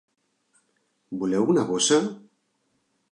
Voleu una bossa?